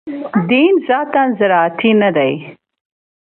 دین ذاتاً زراعتي نه دی.